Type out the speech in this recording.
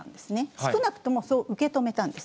少なくともそう受け止めたんです。